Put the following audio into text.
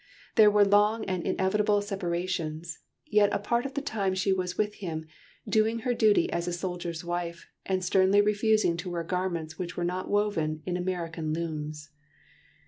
There were long and inevitable separations, yet a part of the time she was with him, doing her duty as a soldier's wife, and sternly refusing to wear garments which were not woven in American looms.